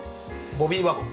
ボビーワゴン。